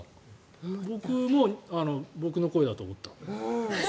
僕も僕の声だと思った。